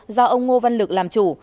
do ông ngô văn lực làm chủ